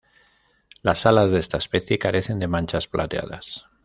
Las alas de esta especie carece de manchas plateadas.